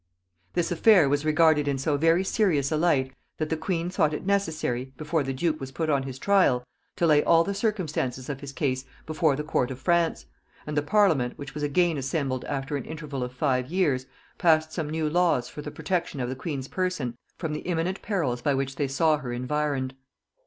This affair was regarded in so very serious a light, that the queen thought it necessary, before the duke was put on his trial, to lay all the circumstances of his case before the court of France; and the parliament, which was again assembled after an interval of five years, passed some new laws for the protection of the queen's person from the imminent perils by which they saw her environed.